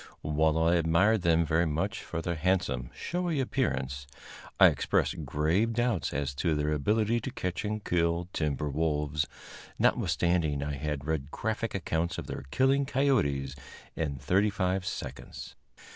While I admired them very much for their handsome, showy appearance, I expressed grave doubts as to their ability to catch and kill timber wolves, notwithstanding I had read graphic accounts of their killing coyotes in thirty five seconds.